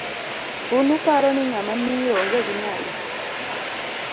Un uparo ni ng'ama miyo ong 'e gi nyalo?